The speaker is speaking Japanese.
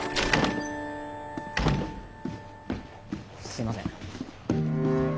すいません。